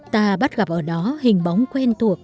ta bắt gặp ở đó hình bóng quen thuộc